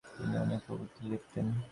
তিনি অনেক প্রবন্ধ লিখতেন।